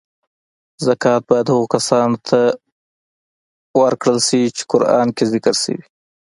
زکات باید هغو کسانو ته ورکړل چی قران کې ذکر شوی .